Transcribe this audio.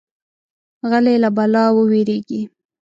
غلی، له بلا ووېریږي.